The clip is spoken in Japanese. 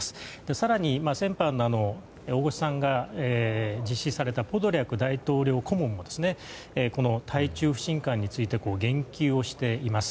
更に、先般大越さんが実施されたポドリャク大統領府顧問もこの対中不信感について言及をしています。